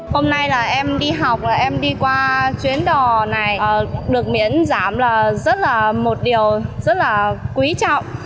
hôm nay là em đi học là em đi qua chuyến đò này được miễn giảm là rất là một điều rất là quý trọng